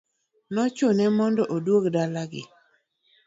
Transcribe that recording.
Nochune mondo odug dala gi.